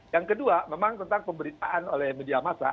yang kedua memang tentang pemberitaan oleh media masa